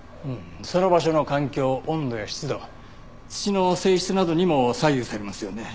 その場所の環境温度や湿度土の性質などにも左右されますよね。